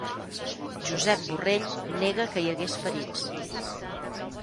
Josep Borrell nega que hi hagués ferits